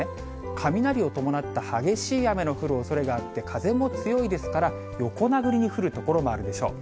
雷を伴った激しい雨の降るおそれがあって、風も強いですから、横殴りに降る所もあるでしょう。